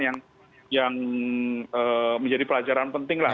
yang menjadi pelajaran penting lah